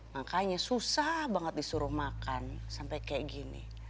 makanya susah banget disuruh makan sampai kayak gini